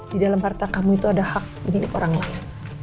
di dalam harta kamu itu ada hak milik orang lain